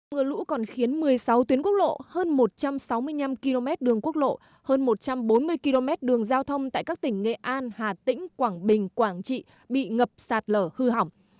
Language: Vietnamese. mưa lũ còn khiến một mươi sáu tuyến quốc lộ hơn một trăm sáu mươi năm km đường quốc lộ hơn một trăm bốn mươi km đường giao thông tại các tỉnh nghệ an hà tĩnh quảng bình quảng trị bị ngập sạt lở hư hỏng